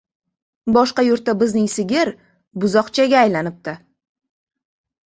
• Boshqa yurtda bizning sigir buzlqchaga aylanibdi.